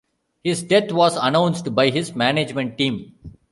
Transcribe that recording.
His death was announced by his management team.